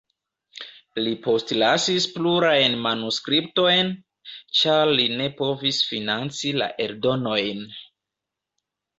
Li postlasis plurajn manuskriptojn, ĉar li ne povis financi la eldonojn.